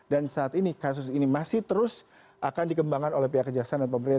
dan saat ini kasus ini masih terus akan dikembangkan oleh pihak kejaksanaan pemerintah